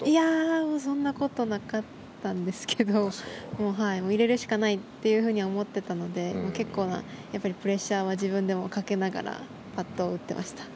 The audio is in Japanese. そんなことなかったんですけど入れるしかないと思っていたので結構なプレッシャーは自分でもかけながらパットを打ってました。